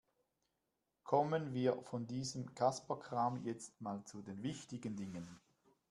Kommen wir von diesem Kasperkram jetzt mal zu den wichtigen Dingen.